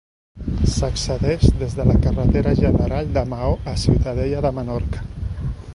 S'accedeix des de la carretera general de Maó a Ciutadella de Menorca.